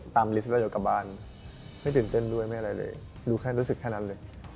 ลิสต์แล้วเดี๋ยวกลับบ้านไม่ตื่นเต้นด้วยไม่อะไรเลยดูแค่รู้สึกแค่นั้นเลย